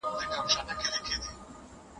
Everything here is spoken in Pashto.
ایا ته د دې داستان د کوم کرکټر سره ډېره مینه لرې؟